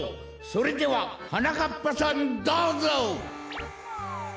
それでははなかっぱさんどうぞ！